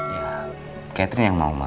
ya catherine yang mau